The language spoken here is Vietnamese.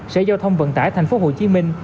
sở giao thông vận tải thành phố hồ chí minh